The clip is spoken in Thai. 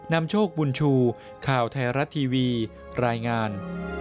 นำโชคบุญชูข่าวไทยรัฐทีวีรายงาน